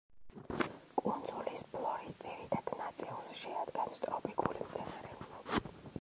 კუნძულის ფლორის ძირითად ნაწილს შეადგენს ტროპიკული მცენარეულობა.